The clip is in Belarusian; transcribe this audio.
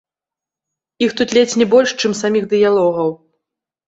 Іх тут ледзь не больш, чым саміх дыялогаў.